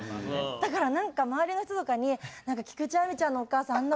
だから何か周りの人とかに菊地亜美ちゃんのお母さんあんな